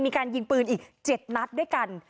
มีการยิงปืนอีก๗นัดด้วยกัน